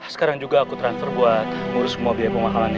sekarang juga aku transfer buat ngurus semua biaya pemakalannya